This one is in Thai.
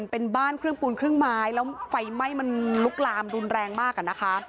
เป็นบ้านเครื่องปูนครึ่งไม้แล้วไฟไหม้มันลุกลามรุนแรงมากอะนะคะ